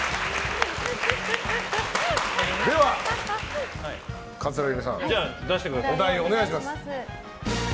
では、桂由美さんお題をお願いします。